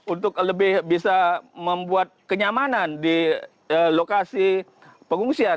untuk lebih bisa membuat kenyamanan di lokasi pengungsian